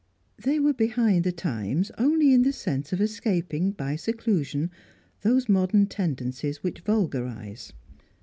They were behind the times only in the sense of escaping, by seclusion, those modern tendencies which vulgarise.